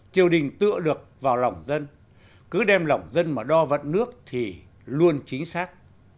tiểu đình tựa được vào lỏng dân cứ đem lỏng dân mà đo vận nước thì luôn chính xác